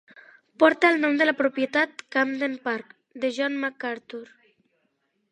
Porta el nom de la propietat "Camden Park" de John Macarthur.